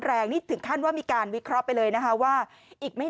นี่ถึงขั้นว่ามีการวิเคราะห์ไปเลยนะคะว่าอีกไม่